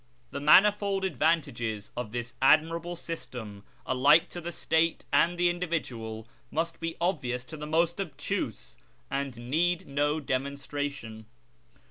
The manifold advantages of this admirable system, alike to the State and the individual, must be obvious to the most obtuse, and need no demonstration.